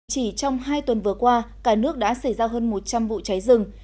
chỉ trong hai tuần vừa qua cả nước đã xảy ra hơn một trăm linh vụ cháy rừng